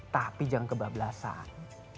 tapi jangan kebablasan